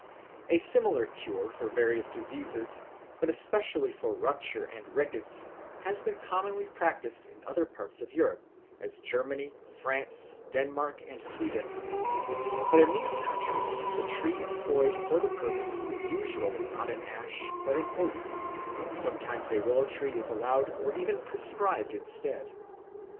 A similar cure for various diseases, but especially for rupture and rickets, has been commonly practised in other parts of Europe, as Germany, France, Denmark, and Sweden; but in these countries the tree employed for the purpose is usually not an ash but an oak; sometimes a willow tree is allowed or even prescribed instead.